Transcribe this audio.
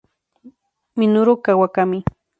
Minoru Kawakami